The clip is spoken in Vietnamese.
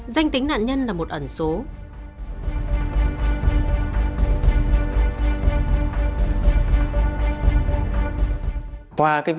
danh tính nạn nhân là một ẩn số